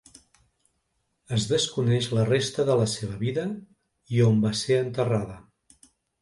Es desconeix la resta de la seva vida i on va ser enterrada.